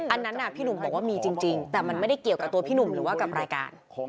อันนั้นพี่หนุ่มบอกว่ามีจริงแต่มันไม่ได้เกี่ยวกับตัวพี่หนุ่มหรือว่ากับรายการ